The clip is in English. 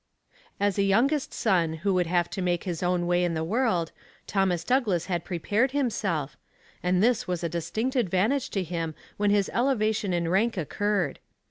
As a youngest son, who would have to make his own way in the world, Thomas Douglas had prepared himself, and this was a distinct advantage to him when his elevation in rank occurred.